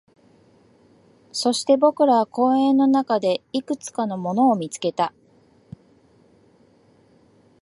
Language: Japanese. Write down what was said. そして、僕らは公園の中でいくつかのものを見つけた